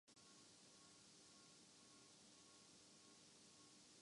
حامی تھے اور آل انڈیا نیشنل کانگریس کے رکن